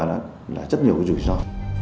là rất nhiều cái rủi ro